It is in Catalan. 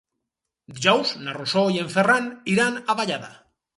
Dijous na Rosó i en Ferran iran a Vallada.